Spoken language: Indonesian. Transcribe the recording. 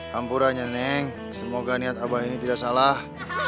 kampurannya neng semoga niat abah ini tidak salah